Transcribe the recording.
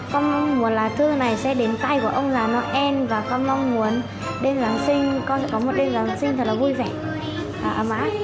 con muốn là thư này sẽ đến tay của ông già noel và con mong muốn đêm giáng sinh con sẽ có một đêm giáng sinh thật là vui vẻ ấm áp